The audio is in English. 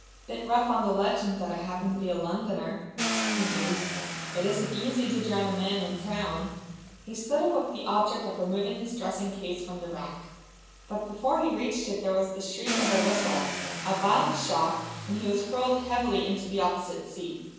"Bit rough on the legend that I happened to be a Londoner!" he mused. "It isn't easy to drown a man in town!" He stood up with the object of removing his dressing case from the rack. But before he reached it there was the shriek of a whistle, a violent shock, and he was hurled heavily into the opposite seat.